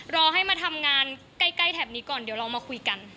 รอให้มาทำงานใกล้แถบนี้ก่อนเดี๋ยวเรามาคุยกัน